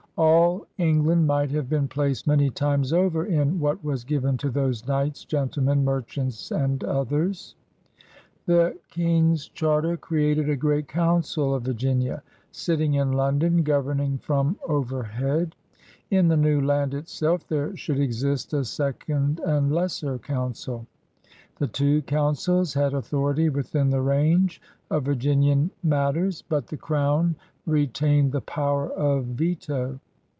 All England might have been placed many times over in what was given to those knights, gentlemen, merchants, and others. The King's charter created a great Council of Virginia, sitting in London, governing from over head. In the new land itself there should exist a second and lesser coimcil. The two councils had authority within the range of Virginian matters, but the Crown retained the power of veto.